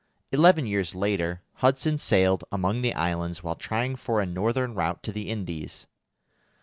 Eleven years later, Hudson sailed among the islands while trying for a northern route to the Indies.